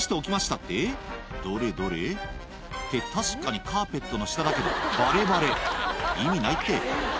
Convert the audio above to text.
「って確かにカーペットの下だけどバレバレ」「意味ないって」